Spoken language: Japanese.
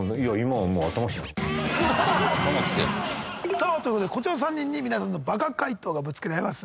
さあということでこちらの３人に皆さんのＢＡＫＡ回答がぶつけられます。